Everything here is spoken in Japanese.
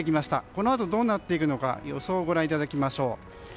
このあと、どうなるのか予想をご覧いただきましょう。